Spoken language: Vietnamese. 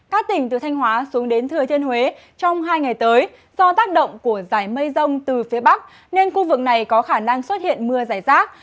các tỉnh từ thanh hóa xuống đến thừa thiên huế trong hai ngày tới do tác động của giải mây rông từ phía bắc nên khu vực này có khả năng xuất hiện mưa rải rác